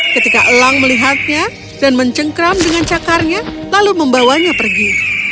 ketika elang melihatnya dan mencengkram dengan cakarnya lalu membawanya pergi